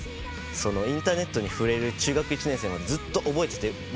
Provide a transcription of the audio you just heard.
インターネットに触れる中学１年生までずっと覚えてて。